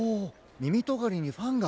みみとがりにファンが。